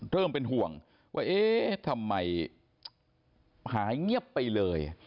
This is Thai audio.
เริ่มเป็นห่วงว่าเอ๊ะทำไมหายเงียบไปเลย